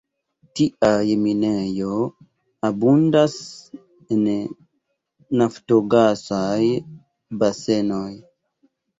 Tiaj minejo abundas en naftogasaj basenoj.